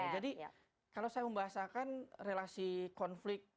jadi kalau saya membahasakan relasi konflik itu